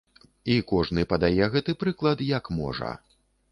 І кожны падае гэты прыклад, як можа.